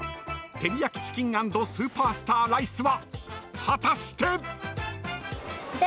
「照り焼きチキン＆スーパースター・ライスは」